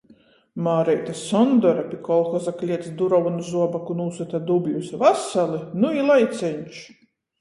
Māreite Sondore pi kolhoza kliets durovu nu zuoboku nūsyta dubļus. Vasali! Nu i laiceņš!